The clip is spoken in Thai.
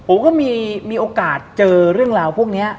ก็มีโอกาสเจอเรื่องราวพวกนี้